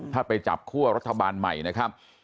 ถ้าไปจับคั่วรัฐบาลใหม่นะครับ